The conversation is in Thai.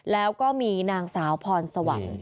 แล้วก็มีนางสาวพรสวรรค์